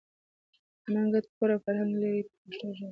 افغانان ګډ کور او فرهنګ لري په پښتو ژبه.